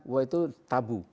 wah itu tabu